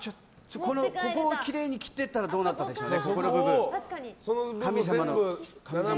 ここをきれいに切っていったらどうでしょうか。